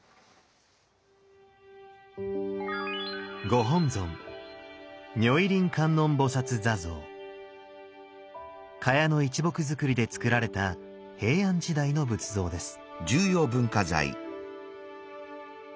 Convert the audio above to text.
ご本尊榧の一木造で造られた平安時代の仏像です。